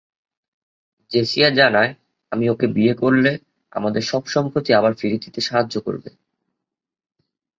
জেসিয়া জানায় আমি ওকে বিয়ে করলে আমাদের সব সম্পত্তি আবার ফিরিয়ে দিতে সাহায্য করবে।